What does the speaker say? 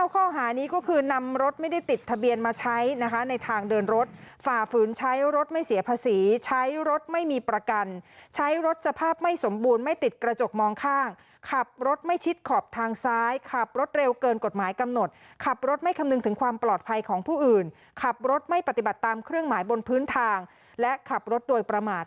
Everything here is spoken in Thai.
ข้อหานี้ก็คือนำรถไม่ได้ติดทะเบียนมาใช้นะคะในทางเดินรถฝ่าฝืนใช้รถไม่เสียภาษีใช้รถไม่มีประกันใช้รถสภาพไม่สมบูรณ์ไม่ติดกระจกมองข้างขับรถไม่ชิดขอบทางซ้ายขับรถเร็วเกินกฎหมายกำหนดขับรถไม่คำนึงถึงความปลอดภัยของผู้อื่นขับรถไม่ปฏิบัติตามเครื่องหมายบนพื้นทางและขับรถโดยประมาท